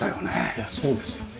いやそうですよね。